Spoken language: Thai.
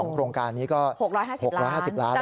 ๒โครงการนี้ก็๖๕๐ล้านบาท